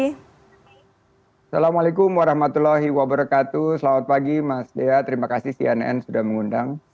assalamualaikum warahmatullahi wabarakatuh selamat pagi mas dea terima kasih cnn sudah mengundang